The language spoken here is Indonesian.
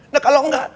nah kalau enggak